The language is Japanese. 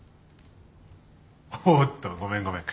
おっとごめんごめん。